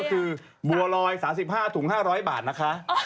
ถูก๕๐๐บาทนะคะ